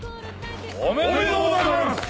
おめでとうございます！